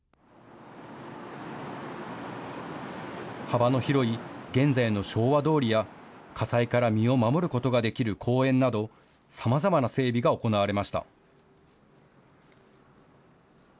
幅の広い現在の昭和通りや、火災から身を守ることができる公園など、さまざまな整備が行われました。